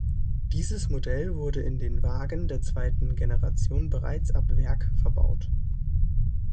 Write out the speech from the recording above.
Dieses Modell wurde in den Wagen der zweiten Generation bereits ab Werk verbaut.